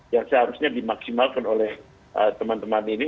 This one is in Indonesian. yang seharusnya dimaksimalkan oleh teman teman ini